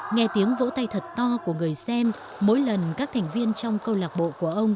nghe tiếng vỗ tay thật to của người xem mỗi lần các thành viên trong câu lạc bộ của ông cháy hết mình trên sân khấu